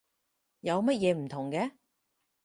有乜嘢唔同嘅？